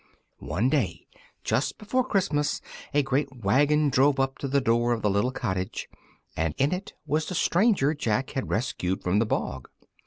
One day, just before Christmas, a great wagon drove up to the door of the little cottage, and in it was the stranger Jack had rescued from the bog.